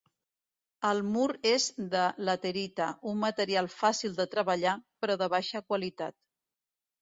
El mur és de laterita, un material fàcil de treballar, però de baixa qualitat.